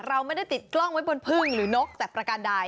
เราไม่ได้ติดกล้องไว้บนพึ่งหรือนกแต่ประการใด